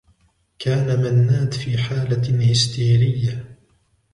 كان منّاد في حالة هستيريّة.